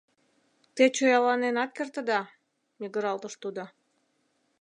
Те чояланенат кертыда! — мӱгыралтыш тудо.